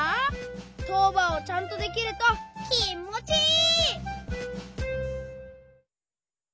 とうばんをちゃんとできるときもちいい！